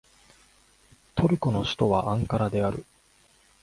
トルコの首都はアンカラである